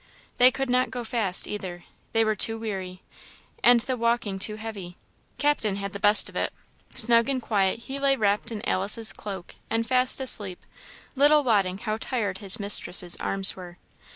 They could not go fast, either; they were too weary, and the walking too heavy. Captain had the best of it; snug and quiet he lay wrapped in Alice's cloak and fast asleep, little wotting how tired his mistress's arms were.